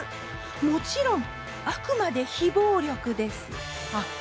もちろんあくまで非暴力です。